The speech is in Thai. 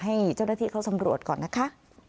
ให้เจ้าหน้าที่เขาสำรวจก่อนนะคะ